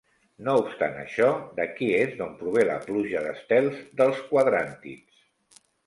No obstant això, d'aquí és d'on prové la pluja d'estels dels quadràntids.